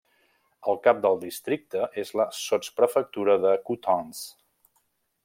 El cap del districte és la sotsprefectura de Coutances.